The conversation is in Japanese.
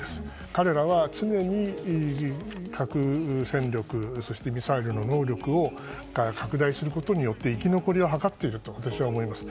彼らは常に核戦力そしてミサイルの能力を拡大することによって生き残りを図っていると私は思います。